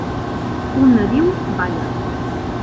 Un nadiu balla.